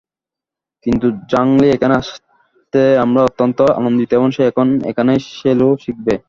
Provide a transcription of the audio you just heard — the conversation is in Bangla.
কিন্তু জাং লি এখানে আসাতে আমরা অত্যন্ত আনন্দিত এবং সে এখন এখানেই সেলো শিখবে।